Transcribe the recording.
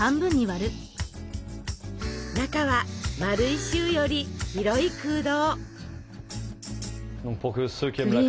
中は丸いシューより広い空洞！